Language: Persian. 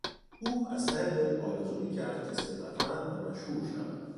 او از ته دل آرزو می کرد که ثروتمند و مشهور شود.